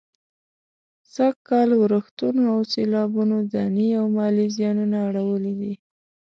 سږ کال ورښتونو او سېلابونو ځاني او مالي زيانونه اړولي دي.